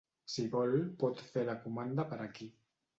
Si vol pot fer la comanda per aquí.